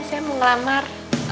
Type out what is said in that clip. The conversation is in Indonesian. saya mau ngelamar